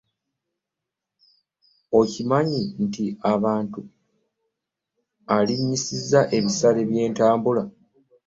Okimanyi nti abantu alinyisiza ebisale byentambula.